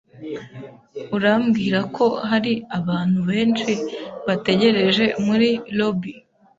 Urambwira ko hari abantu benshi bategereje muri lobby?